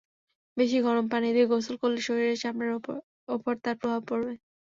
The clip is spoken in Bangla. বেশি গরম পানি দিয়ে গোসল করলে শরীরের চামড়ার ওপর তার প্রভাব পড়বে।